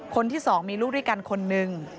คนที่๒มีลูกด้วยกันคนหนึ่ง